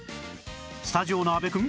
スタジオの阿部くん